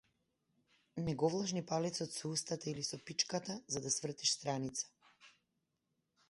Не го влажни палецот со устата или со пичката за да свртиш страница.